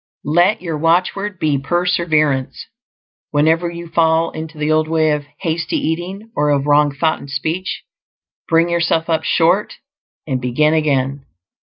Let your watchword be perseverance; whenever you fall into the old way of hasty eating, or of wrong thought and speech, bring yourself up short and begin again.